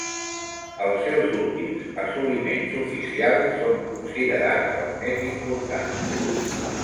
Els seus últims assoliments oficials són considerats els més importants.